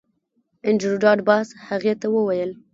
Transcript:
انډریو ډاټ باس هغې ته وویل